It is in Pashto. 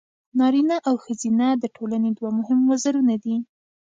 نارینه او ښځینه د ټولنې دوه مهم وزرونه دي.